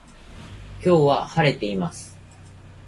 今日は晴れています